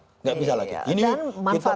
tidak bisa lagi